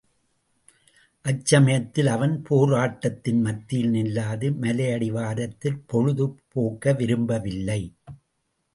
அச்சமயத்தில் அவன் போராட்டத்தின் மத்தியில் நில்லாது மலையடிவாரத்தில் பொழுது போக்கவிரும்பவில்லை.